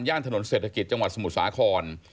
ถนนเศรษฐกิจจังหวัดสมุทรสาคร